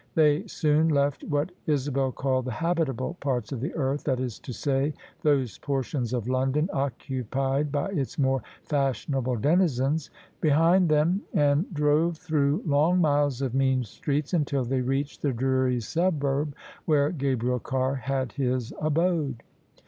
They soon left what Isabel called the habitable parts of the earth — ^that is to say those portions of London occupied by its more fashionable denizens — ^behind them, THE SUBJECTION and drove through long mQes of mean streets untfl tb^ reached the dreary suburb where Gabriel Carr had his abode.